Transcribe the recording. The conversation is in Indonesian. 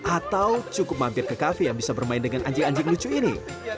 atau cukup mampir ke cafe yang bisa bermain dengan anjing anjing lucu ini